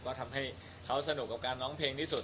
ก็ทำให้เขาสนุกกับการร้องเพลงที่สุด